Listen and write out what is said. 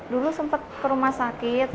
dulu sempat ke rumah sakit